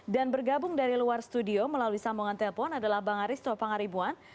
dan bergabung dari luar studio melalui sambungan telepon adalah bang aristo pangaribuan